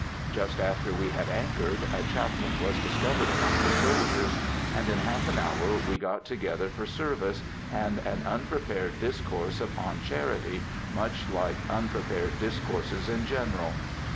Just after we had anchored, a chaplain was discovered among the soldiers; and in half an hour we got together for service, and an "unprepared" discourse upon charity, much like unprepared discourses in general.